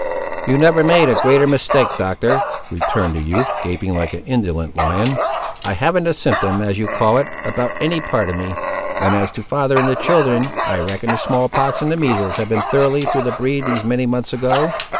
"You never made a greater mistake, Doctor," returned the youth, gaping like an indolent lion; "I haven't a symptom, as you call it, about any part of me; and as to father and the children, I reckon the small pox and the measles have been thoroughly through the breed these many months ago."